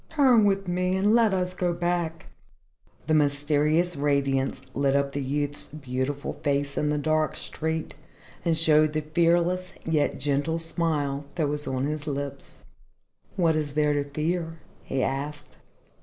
Turn with me and let us go back." The mysterious radiance lit up the youth's beautiful face in the dark street and showed the fearless yet gentle smile that was on his lips. "What is there to fear?" he asked.